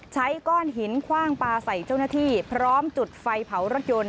ใช้ก้อนหินคว่างปลาใส่เจ้าหน้าที่พร้อมจุดไฟเผารถยนต์